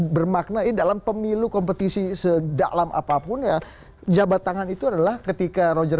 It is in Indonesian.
bermakna ini dalam pemilu kompetisi sedalam apapun ya jabat tangan itu adalah ketika roger